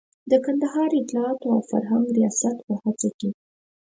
د کندهار د اطلاعاتو او فرهنګ ریاست په هڅه کې.